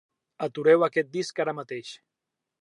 Atureu aquest disc ara mateix.